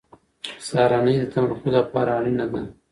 سهارنۍ د تمرکز لپاره اړینه ده.